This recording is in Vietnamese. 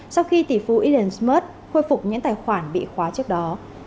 sau khi tỷ phú elon musk khôi phục những tài khoản bị khóa trước đó